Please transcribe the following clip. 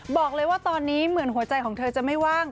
บอกเลยว่าตอนนี้เหมือนหัวใจของเธอจะไม่ว่าง